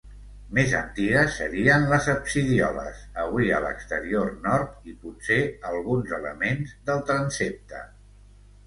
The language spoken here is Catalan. Més antigues serien les absidioles, avui a l'exterior nord, i potser alguns elements del transsepte.